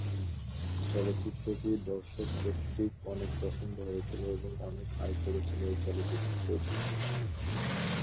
চলচ্চিত্রটি দর্শক কর্তৃক অনেক পছন্দ হয়েছিলো এবং অনেক আয় করেছিলো এই চলচ্চিত্রটি।